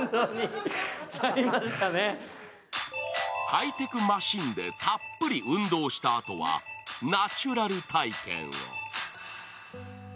ハイテクマシンでたっぷり運動したあとはナチュラル体験を。